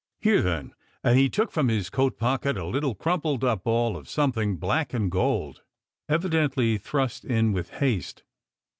"Here, then," and he took from his coat pocket a little crumpled up ball of something black and gold, evidently thrust in with haste.